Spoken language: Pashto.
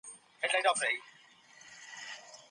تصمیم نیول د رواني ودي برخه ده.